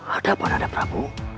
ada apa nanda prabu